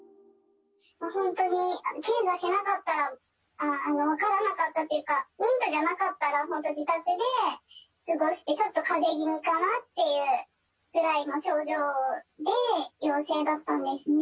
本当に検査しなかったら分からなかったというか、妊婦じゃなかったら、本当自宅で過ごして、ちょっとかぜ気味かなっていうくらいの症状で陽性だったんですね。